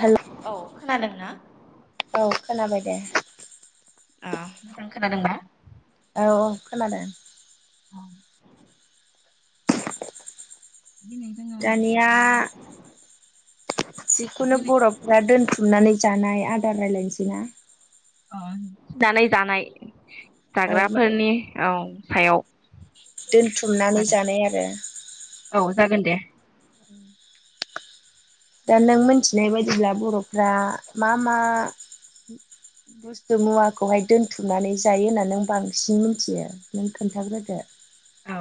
हेल' औ खोनादोंना? औ खोनाबाय दे। अ मोजां खोनादोंबा। औ औ खोनादों। दानिया जिखुनु बर'फ्रा दोन अन्नानै जानाय आदार रायलायसै ना? जानाय जानाय औ माने जाग्राफोरनि औ। सायाव दोनथुमनानै जागोन जानाय आरो। औ जागोन दे। दा नों मोनथिनाय बायदिब्ला बर'फ्रा मा मा बुस्थु मुवाखौहाय दोनथुमनानै जायो होननानै नों बांसिन मिथियो? नों खोन्थाग्रोदो। औ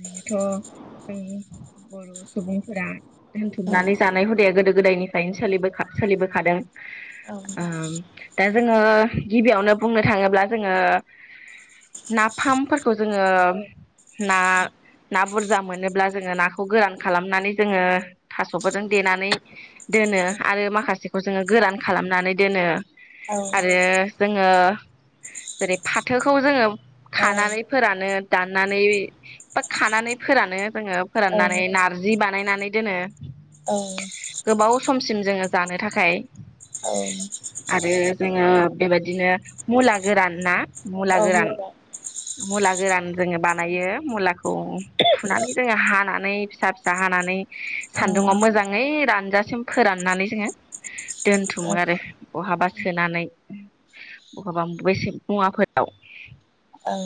बियोथ' उम बर' सुबुंफोरा औ दोनथुमनानै जानाय हुदाया गोदो गोदायनि फ्रायनो सोलिबोखा सोलिबोखादों। औ ओम दा जों ओ गिबियावनो बुंनो थाङोब्ला जोङो नाफामफोरख खौ जोङो ना ना ना बुरजा मोनोब्ला जोङो नाखौ गोरान खालामनानै जोङो थास'फोरजों देनानै दोनो आरो माखासेखौ जोङो गोरान खालामनानै दोनो। औ आरो जोङो जेरै फाथोखौ जोङो खानानै फोरानो दाननानै बा खानानै फोरानो जोङो फोराननानै नारजि बानायनानै दोनो। औ। सिम जोङो जानो थाखाय औ। आरो जोङो बेबायदिनो मुला गोरान ना मुला औ गोरान औ मुला गोरान जोङो बानायो मुला औ फुनानै जोङो हानानै फिसा फिसा हानानै औ औ सान्दुङाव मोजाङै रान जासिम फोराननानै जोङो दोनथुमो आरो बहाबा। सोनानै बहाबा बबेसे मुवाफोराव औ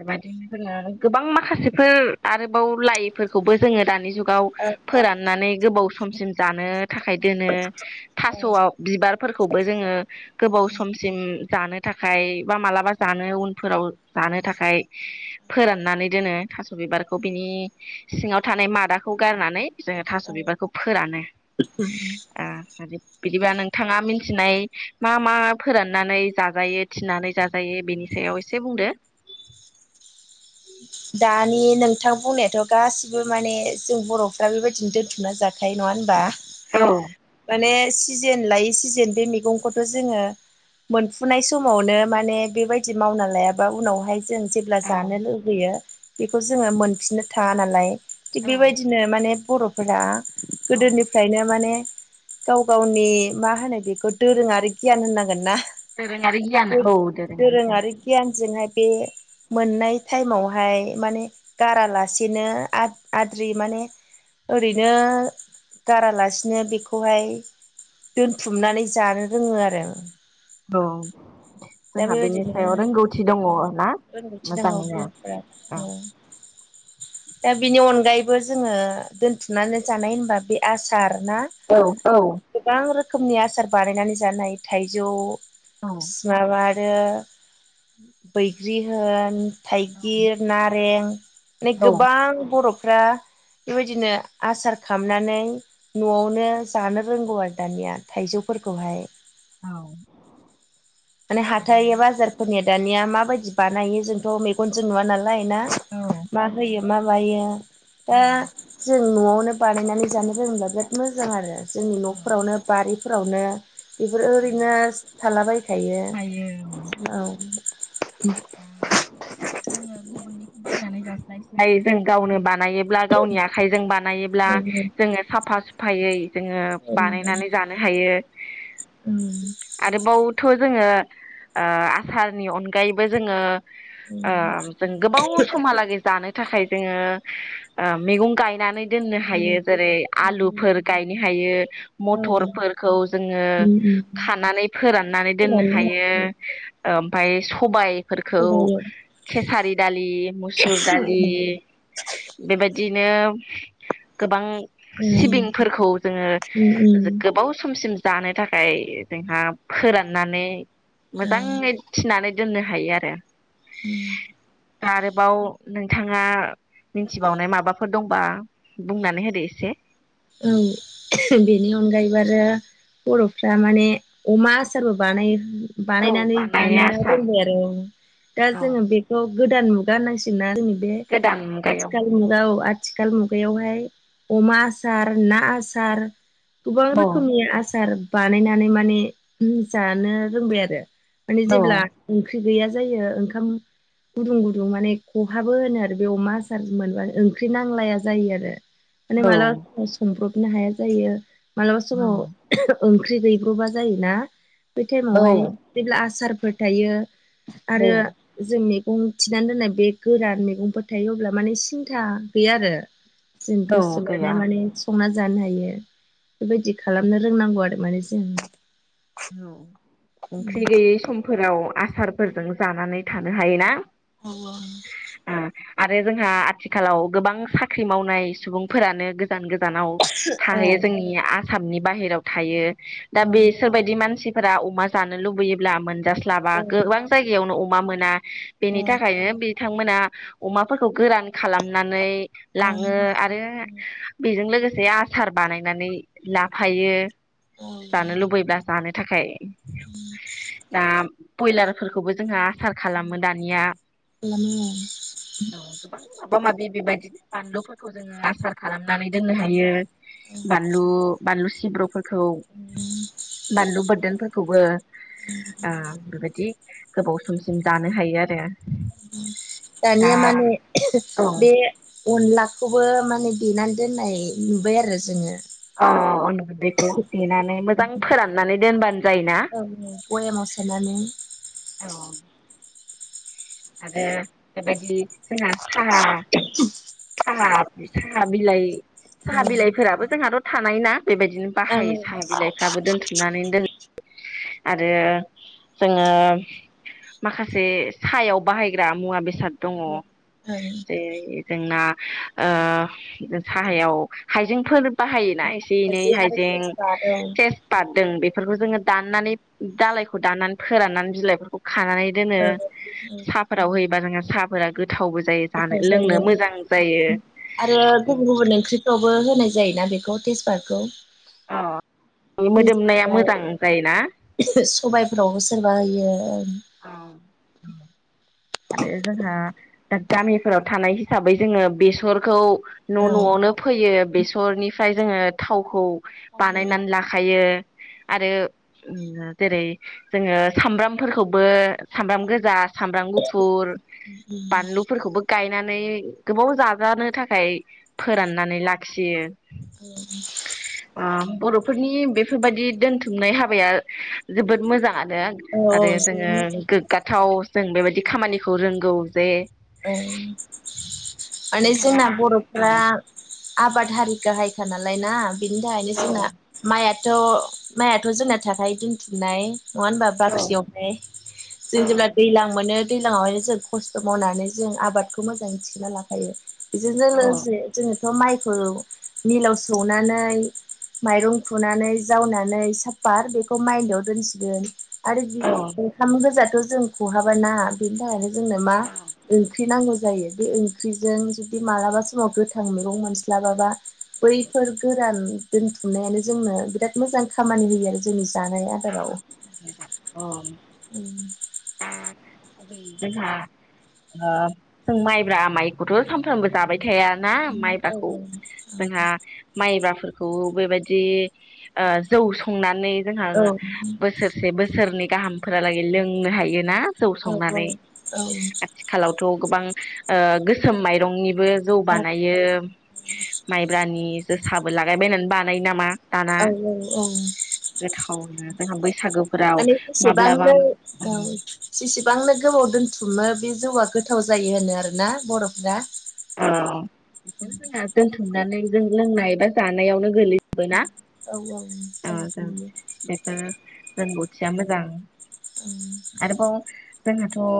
बेबायदिनो जोङो गोबां माखासेफोर आरोबाव लाइफोरखौबो जोङो दानि जुग गाव औ फोराननानै गोबाव समसिम जानो थाखाय दोनो औ थास'वाव बिबारफोरखौबो जोङो गोबाव औ समसिम जानो थाखाय बा मालाबा जानो उनफोराव जानो थाखाय फोराननानै दोनो थास' बिबारखौ बिनि सिङाव थानाय मादाखौ गारनानै जोङो थास' बिबारखौ फोरानो बिदिबा नोंथाङा मिथिनाय मा मा फोराननानै जाजायो थिनानै जाजायो बेनि सायाव एसे बुंदो दानि नोंथां बुंनायाथ' गासिबो माने जों बर'फ्रा बेबायदिनो दोन्थुमना जाखायो नङा होनबा औ माने सिजेन लायै सिजेन बे मैगखौथ' जोङो मोनफुनाय समावनो माने बेबायदि मावना लायाबा उनावहाय जों जेब्ला औ जानो लुुबैयो बेखौ जोङो मोनफिननो थाङा नालाय औ थिग बेबायदिनो माने बर'फोरा औ गोदोनिफ्रायनो माने गाव गावनि मा होनो बेखौ दोरोङारि गियान होननांगोन ना दोरोङारि गियान दो औ गियान दोरोङारि गियानजोंहाय बे मोननाय टाइमाव हाय माने गारालासेनो आद्रि माने ओरैनो गारालासेनो बेखौहाय दोनथुमनानै जानो रोङो आरो औ दा जोंहा बेनि बेबायदिनो सायाव रोंगौथि दङ ना रोंगौथि दङ मोजाङैनो बर'फोरा औ दा बिनि अनगायैबो जोङो दोनथुमनानै जानाय होनबा बे आसार ना औ औ गोबां रोखोम रोखोमनि आसार बानायनानै जानाय थाइजौ औ [unintelligible] आरो बैग्रि होन थाइगिर नारें माने औ गोबां बरफ फ्रा बेबायदिनो आसार खालामनानै न'आवनो जानो रोंगौ आरो दानिया थाइजौफोरखौहाय [inaudible] माने हाथाइ बाजारफोरनिया दानिया माबायदि बानायो जोंथ' मेगनजों नुव नालाय नायोना मा औ होयो मा मायो औ दा जों जों न'आवनो बानायनानै जानो रोंङोबब्ला बिराद मोजां आरो जोंनि औ न'फोरावनो बारिफोरावनो बेफोरो ओरैनो थालाबाय हायो खायो औ दा [unintelligible] जोङो गुबुननिखौ बायनानै जास्लायस्लाय जों गावनो बानायोब्ला गावनि आखाइजों बानायोब्ला औ ब्ला जोङो साफा साफा सुफायै जोङो बानायनानै जानो हायो आरोबावथ' जोङो आसारनि अनगायैबो जोङो औ जों गोबाव समहालागै जानो थाखाय जोङो मैगं गायनानै दोननो हायो जेरै आलुफोर गायनो हायो मथरफोरखौ जोङो खानानै फोराननानै दोननो हायो ओमफ्राय सबाय फोरखौ खेसारि दालि मुसुर दालि बेबायदि बिदिनो गोबां सिबिंफोरखौ जोङो गोबाव समसिम जानो थाखाय जोंहा फोराननानै मोजाङै थिनानै दोननो हायो आरो [inaudible] आरोबाव नोंथाङा मिथिबावनाय माबाफोर दंबा बुंनानै होदो एसे औ बेनि अनगायैबो आरो बर'फ्रा माने अमा आसारबो बानायो औ बानायनानै बानायो जानो आसार रोंबाय आरो दा औ जोङो बेखौ गोदान मुगा होननांसिगोनना जोंनि बे गोदान मुगायाव आथिखाल मुगा औ आ थिखाल मुगायावहाय अमा आ सार ना आसार, गोबां औ रोखोमनि आसार बानायनानै माने जानो रोंबाय आरो। माने औ जेब्ला ओं ख्रि गैया जायो ओंखाम गुदुं गुदुं माने खहाबो होनो आरो बे अमा आसार मोनबानो ओंख्रि नांलाया जायो आरो। माने औ माला संब्रबनो हाया जायो। मलाबा समाव ओं ख्रि गैब्र'बा जायोना। बे टाइमावहाय औ जेब्ला आसार फोर थायो आरो जोंनि औ थिनानै दोननाय बे गोरान मैगंफोर थायो अब्ला माने सिन्था गैया आरो जों औ गोसोबादि गैया माने संना जानो हायो बेबायदि खालामनो रोंनांगौ आरो माने जों। औ ओंख्रि गैयै समफोराव आसारफोरजों जानानै थानो हायोना? औ ओं ओ आरो जोंहा आथिखालाव गोबां साख्रि मावनाय सुबुंफोरानो गोजान गोजानाव औ थाहैयो जोंनि आ सामनि बाहेरायाव थायो। दा औ बे मानसिफोरा अमा जानो लुबैयोब्ला मोनजास्ला लाबा गोबां जायगायावनो अ मा मोना। बेनि थाखायनो बिथांमोना अमाफोरखौ गोरान खालामनानै लाङो आरो बेजों लोगोसे बे आसार बानायनानै लाफायो। औ। लानो थाखाय। दा बयलारफोरखौबो जोंहा आसार खालामो दानिया। औ गोबां माबा माबि बेबायदिनो बानलुफोरखौ जोङो आसार खालामनानै दोननो हायो। औ बानलु, बानलु सिब्र' खौ। बान्लु बोर्दोन फोरखौबो आ बेबायदि गोबाव समसिम जानो हायो आरो। दा दानिया माने औ बे अनलाखौबो माने देनानै दोननाय नुबाय आरो जोङो। [unintelligible] देनानै मोजां फोराननानै दोनबानो जायोना। बयामाव सोनानै औ। आरो बेबायदि जोंहा साहा, साहा बिलाइ औ साहा बिलाइफोराबो जोंहाथ' थानाय ना? बेबायदिनो ओं बाहायो ओं साहा बिलाइफ्राबो दोनथुमनानै दोन आरो जोङो माखासे सायाव बाहायग्रा मुवा बेसाद दङ। ओं। जेरै जोंना ओ साहायाव हाइजेंफोर बाहायो। जोंनि एसे एनै आरो हाइजें तेजपात औ टेस पाट बे बेफोरखौ जोङो दाननानै दालायखौ दाननानै फोराननानै बिलाइफोरखौ खानानै दोनो। औ साफोराव होबाना साहाफोरा गोथावबो जायो जानो गोथाव लोंनो जायो। मोजां जायो आरो गुबुन गुबुन ओंख्रिफ्रावबो होनाय जायोना बेखौ तेजपातखौ। अ मोदोमनाया मोजां जायोना सबायफोरावबो सोरबा होयो। अ आरो जोंहा दा गामिफोराव थानाय हिसाबै जोङो बेसरखौ न' औ न'आवनो फैयो बेसरनिफ्राय जोङो थावखौ औ बानायनानै लाखायो आरो जेरै जोङो सामब्रामफोरखौबो सामब्राम गोजा सामब्राम गु फुर बानलुफोरखौबो गायनानै माने गोबाव जाजानो थाखाय फोराननानै लाखियो। अ बर' फोरफोरनि बेफोरबायाददि दोनथुमनाय हाबाया जोबोद मोजां [inaudible] औ आरो जोङो जोबोद मोजां गोगाथाव जों बेबायदि खामानिखौ रोंगौ जे माने नोंथाङा जोंना औ बर'फ्रा आबाद हारि गाहायखा नालाय ना बिनि थाखायनो औ जोंना माइया थ' माइयाथ' जोंना थाखाय दोनथुमनाय नङा होनबा औ बाख्रियावहाय औ जों जेब्ला दैज्लां मोनो दैज्लांआवनो जों खस्थ' मावनानै जों आबादखौ मोजांङै मिथिना लाखायो। बेजोंनो औ लोगोसे जोङो थ' माइखौ मिलाव सौनानै माइरं खुनानै जावनानै साफात बेखौ माइनियाव दोनसिगोन। आरो औ ओंखाम गोजाथ जों खहाबाय ना बेनि थाखायनो जोंनो मा ओंख्रि नांगौ जायो बे ओंख्रिजों जुदि मालाबा समाव गोथां मैगं मोनस्लाबाबा बैफोर गोरान दोनथुमनायानो जोंनो बिराद मोजां खामानि होयो आरो जोंनि जानाय आदाराव नोंथां औ उम दा गुबै जोंहा जों माइब्रा माइखौथ' सानफ्रोमबो जाबाय थायाना औ औ माइबाखौ जोंहा माइब्राफोरखौ बेबायदि जौ संनानै जोंहा बोसोरसे बोसो सोरनि गाहामफोरालागै लोंनो हायोना जौ संनानै आथिखालावथ' गोबां ओ गोसोम माइरंनि बो जौ बानायो माइब्रानि जोसा बो लागायबायनानै बानायो नामा दाना औ औ औ गोथावनो जोंहा बैसागोफोराव माने माब्लाबा जसेबांनो ओ औ जेसेबांनो गोबाव दोनथुमो बे जौआ गोथाव जायो होनो आरोना बर'फोरा [unintelligible] बेखौ जोंना दोनथुमनानै जों लोंनाय बा जानायावनो गोलैजोबो ना औ औ ओ जों [inaudible] बेफोर रोंगौथिया मोजां औ आरोबाव जोंहाथ' ओ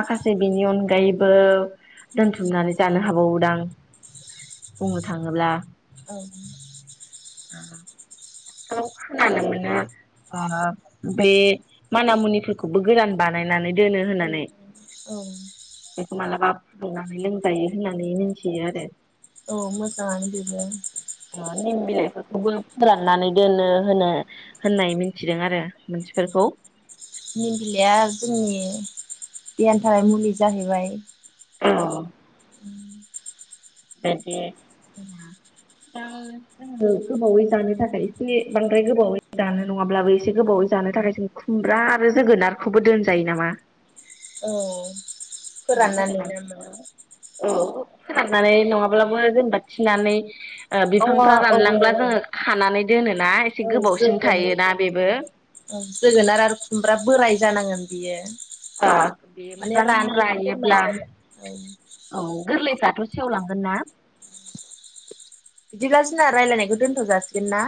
माखासे बिनि अनगायैबो दोनथुमनानै जानो हाबावोदां बुंनो थाङोब्ला औ [inaudible] औ खोनानो मोनो ओ बे माना मुनिफोरखौबो गोरान बानायनानै दोनो औ होननानै औ बेखौ मालाबा फुदुंनानै लोंजायो होननानै मिथियो आरो औ‌ मोजाङानो बिबो निम बिलाइफोरखौबो फोराननानै दोनो होनो होननाय मिथिदों आरो मानसिफोरखौ निम बिलाइया जोंनि देहानि थाखाय मुलि जाहैबाय। औ [unintelligible] जोङो गोबावै जानो थाखाय एसे बांद्राय गोबावै जानो नङाब्लाबो एसे गोबावै जानो थाखाय जों खुमब्रा आरो जोगोनारखौबो दोनजायो नामा? औ खुमब्रा फोराननानै नामा जोगोनारखौबो औ फोराननानै नङाब्लाबो जेनेबा थिनानै ओ अ औ बिफांफ्रा औ रानलांब्ला औ जोङो खानानै दोनोना एसे औ गोबावसिन जोगोनार थायोना बेबो औ जोगोनार आरो खुमब्रा बोराय जानांगोन बियो आ बे माने मोजां रानाय दोननाय रायोब्ला जानांगोन औ औ गोरलै दाथ' सेवलांगोन ना। बिदिब्ला जोंना रायलायनायखौ दोनथ' जासिगोन ना।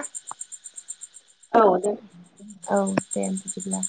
औ दोनथ' औ दे बिदिब्ला